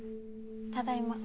ただいま。